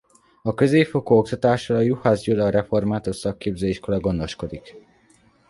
A középfokú oktatásról a Juhász Gyula Református Szakképző Iskola gondoskodik.